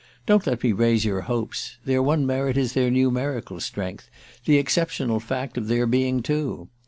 Don't let me raise your hopes ... their one merit is their numerical strength: the exceptional fact of their being two.